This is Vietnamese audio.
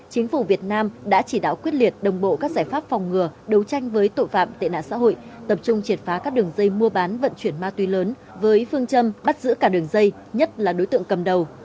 chính phủ việt nam đã chỉ đạo quyết liệt đồng bộ các giải pháp phòng ngừa đấu tranh với tội phạm tệ nạn xã hội tập trung triệt phá các đường dây mua bán vận chuyển ma túy lớn với phương châm bắt giữ cả đường dây nhất là đối tượng cầm đầu